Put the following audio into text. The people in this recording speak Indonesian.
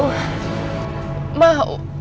masa ini selesai handikul